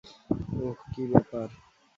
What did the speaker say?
ওহ, কী ব্যাপার?